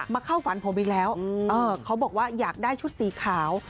เข้าฝันผมอีกแล้วเขาบอกว่าอยากได้ชุดสีขาว